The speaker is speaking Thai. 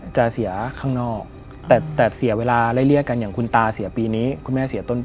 ใช่เลยครับผม